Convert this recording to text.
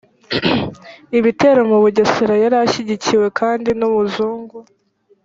ibitero mu bugesera yari ashyigikiwe kandi n umuzungu